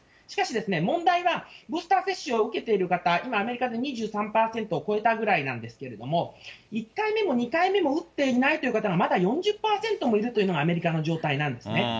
しかしですね、問題はブースター接種を受けてる方、今、アメリカで２３％を超えたぐらいなんですけれども、１回目も２回目も打っていないという方が、まだ４０％もいるというのが、アメリカの状態なんですね。